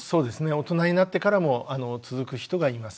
大人になってからも続く人がいます。